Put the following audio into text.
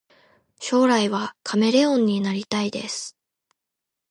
将来はカメレオンになりたいです